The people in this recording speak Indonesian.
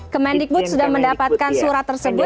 kemendikbud sudah mendapatkan surat tersebut